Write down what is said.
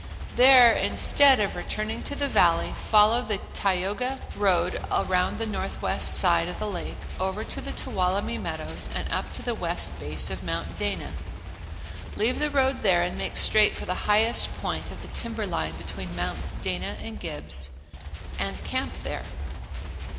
There instead of returning to the Valley, follow the Tioga road around the northwest side of the lake, over to the Tuolumne Meadows and up to the west base of Mount Dana. Leave the road there and make straight for the highest point on the timber line between Mounts Dana and Gibbs and camp there.